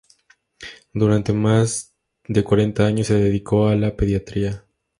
Durante más de cuarenta años se dedicó a la pediatría.